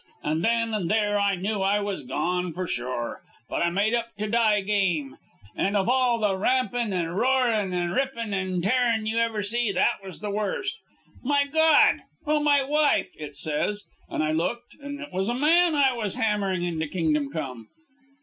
And then and there I knew I was gone for sure. But I made up to die game, and of all the rampin' and roarin' and rippin' and tearin' you ever see, that was the worst. "'My God! O my wife!' it says. And I looked and it was a man I was hammering into kingdom come.